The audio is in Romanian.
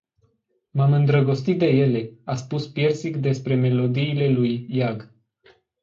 M-am îndrăgostit de ele, a spus Piersic despre melodiile lui iag.